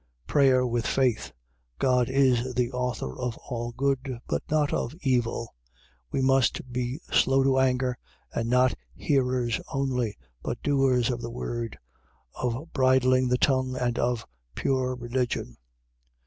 Prayer with faith. God is the author of all good, but not of evil. We must be slow to anger and not hearers only, but doers of the word. Of bridling the tongue and of pure religion.